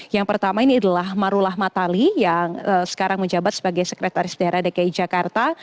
yang pertama ini adalah marullah matali yang sekarang menjabat sebagai sekretaris daerah dki jakarta